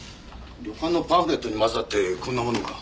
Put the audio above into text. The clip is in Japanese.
旅館のパンフレットに交ざってこんなものが。